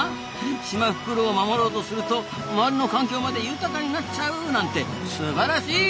シマフクロウを守ろうとすると周りの環境まで豊かになっちゃう！なんてすばらしい！